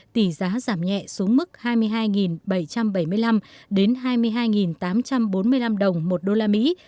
tỷ giá giảm nhẹ xuống mức hai mươi hai bảy trăm bảy mươi năm đến hai mươi hai tám trăm bốn mươi năm đồng một đô la mỹ